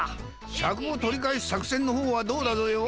シャクを取り返す作戦の方はどうだぞよ？